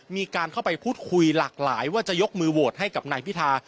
มีการเข้าไปพูดคุยหลากหลายว่าจะยกมือโหวตให้กับนายพิธา